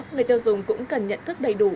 người tiêu dùng cũng cần nhận thức đầy đủ